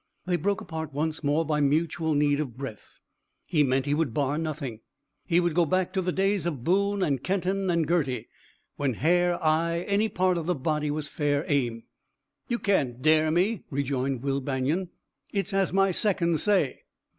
They broke apart once more by mutual need of breath. He meant he would bar nothing; he would go back to the days of Boone and Kenton and Girty, when hair, eye, any part of the body was fair aim. "You can't dare me!" rejoined Will Banion. "It's as my seconds say."